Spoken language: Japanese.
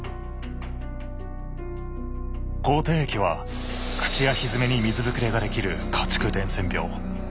口てい疫は口やひづめに水ぶくれができる家畜伝染病。